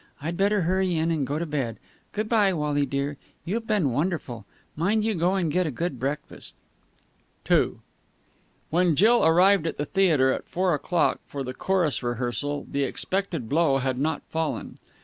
I'd better hurry in and go to bed. Good bye, Wally dear. You've been wonderful. Mind you go and get a good breakfast." II When Jill arrived at the theatre at four o'clock for the chorus rehearsal, the expected blow had not fallen.